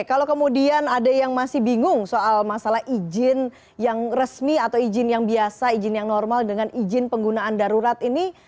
kalau kemudian ada yang masih bingung soal masalah izin yang resmi atau izin yang biasa izin yang normal dengan izin penggunaan darurat ini